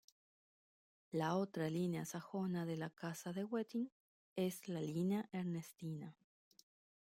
La otra línea sajona de la Casa de Wettin es la Línea ernestina.